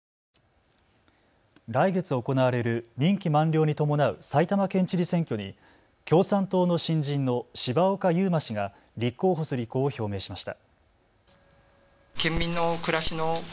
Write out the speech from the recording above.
来月行われる任期満了に伴う埼玉県知事選挙に共産党の新人の柴岡祐真氏が立候補する意向を表明しました。